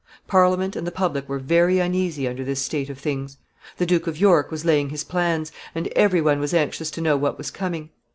Parliament and the public were very uneasy under this state of things. The Duke of York was laying his plans, and every one was anxious to know what was coming.